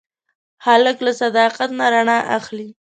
هلک له صداقت نه رڼا اخلي.